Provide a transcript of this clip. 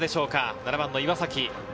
７番の岩崎。